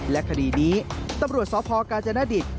และคดีนี้ตำรวจสพกาญจนดิต